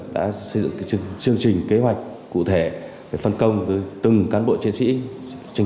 đã xây dựng chương trình kế hoạch cụ thể phân công từ từng cán bộ chiến sĩ